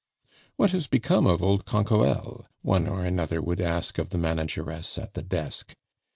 "What has become of old Canquoelle?" one or another would ask of the manageress at the desk.